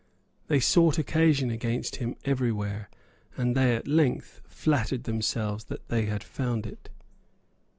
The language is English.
They sought occasion against him everywhere; and they at length flattered themselves that they had found it.